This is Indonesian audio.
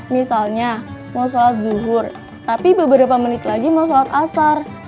misalnya mau sholat zuhur tapi beberapa menit lagi mau sholat asar